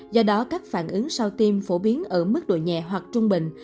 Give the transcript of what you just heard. do đó các phản ứng sau tiêm phổ biến ở mức độ nhẹ hoặc trung bình